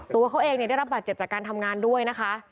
ตัวเขาเองได้รับบาดเจ็บจากการทำงานด้วยนะคะ